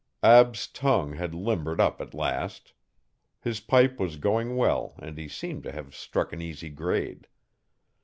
Ab's tongue had limbered up at last. His pipe was going well and he seemed to have struck an easy grade.